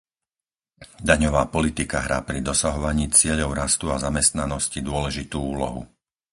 Daňová politika hrá pri dosahovaní cieľov rastu a zamestnanosti dôležitú úlohu.